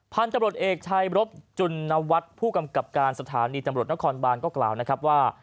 พันธุ์ตำรวจเอกชายบริษัทจุลนวัตรผู้กำกับการสถานีตำรวจนครบานก็กล่าวว่า